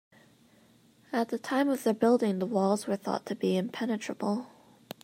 At the time of their building, the walls were thought to be impenetrable.